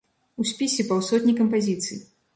У спісе паўсотні кампазіцый.